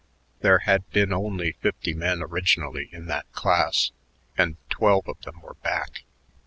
There had been only fifty men originally in that class; and twelve of them were back.